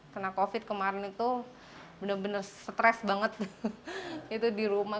kena covid sembilan belas kemarin itu benar benar stres banget di rumah